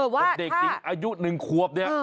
ว่าเด็กอายุ๑ควบเนี่ย